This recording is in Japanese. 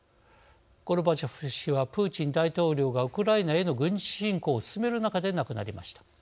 ゴルバチョフ氏はプーチン大統領がウクライナへの軍事侵攻を進める中で亡くなりました。